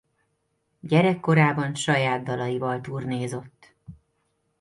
Gyerekkorában saját dalaival turnézott.